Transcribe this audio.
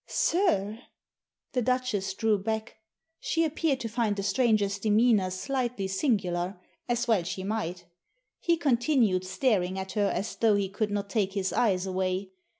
"Sir!" The Duchess drew back. She appeared to find the stranger's demeanour slightly singfular — as well she might He continued staring at her as though he could not take his eyes away.